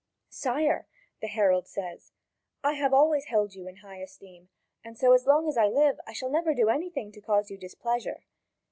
"Sire," the herald says, "I have always held you in high esteem, and so long as I live, I shall never do anything to cause you displeasure."